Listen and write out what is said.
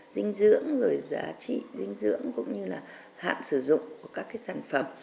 rồi giá trị dinh dưỡng cũng như là hạn sử dụng của các cái sản phẩm